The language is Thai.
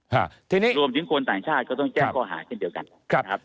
ฮะทีนี้รวมถึงคนต่างชาติก็ต้องแจ้งข้อหาเช่นเดียวกันครับนะครับ